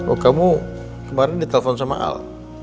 oh kamu kemarin ditelepon sama al